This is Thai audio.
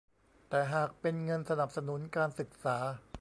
แต่หากเป็นเงินสนับสนุนการศึกษา